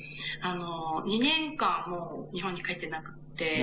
２年間、もう日本に帰ってなくって。